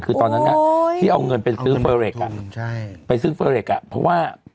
คือตอนนั้นที่เอาเงินไปซื้อเฟอร์เรคไปซื้อเฟอร์เล็กอ่ะเพราะว่า